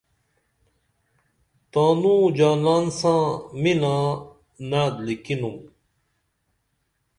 تانوں جانان ساں مینا نعت لکیکنُم